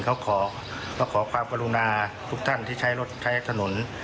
เขาขอความกรุณาทุกท่านที่ใช้รถใช้ถนน